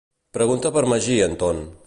Pregunta per Magí en Ton?